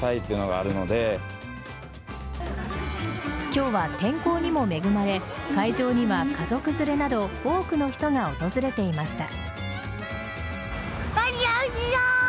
今日は天候にも恵まれ会場には家族連れなど多くの人が訪れていました。